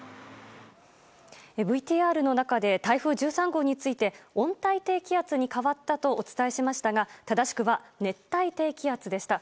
ＶＴＲの中で台風１３号について温帯低気圧に変わったとお伝えしましたが正しくは熱帯低気圧でした。